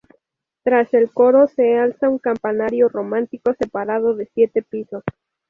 Tras el coro se alza un campanario románico separado de siete pisos.